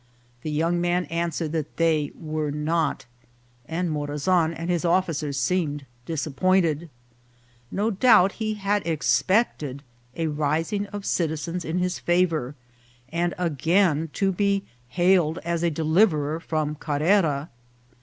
The young man answered that they were not, and Morazan and his officers seemed disap pointed. No doubt he had expected a rising of citizens in his favour, and again to be hailed as a deliverer from Carrera.